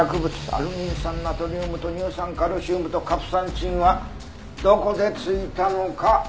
アルギン酸ナトリウムと乳酸カルシウムとカプサンチンはどこで付いたのか？